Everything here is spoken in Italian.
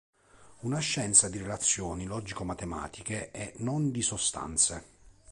Una Scienza di relazioni logico-matematiche e non di sostanze.